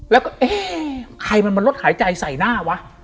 แล้วก็เอ๊ะใครมันมาลดหายใจใส่หน้าวะ